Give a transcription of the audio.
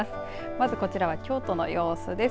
まずはこちらは京都の様子です。